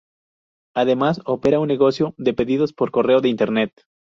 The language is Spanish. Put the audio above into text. Además, opera un negocio de pedidos por correo de Internet.